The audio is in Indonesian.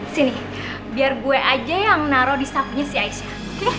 sini biar gue aja yang naro disakunya si aisyah